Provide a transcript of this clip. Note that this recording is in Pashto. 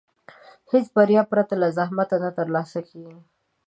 هېڅ بریا پرته له زحمت نه ترلاسه کېږي.